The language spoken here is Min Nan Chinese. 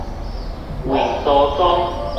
胃慒慒